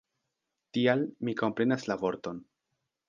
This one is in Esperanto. Tial, mi komprenas la vorton.